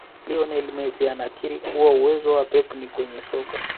Lionel Messi anakiri kuwa uwezo wa pep ni kwenye soka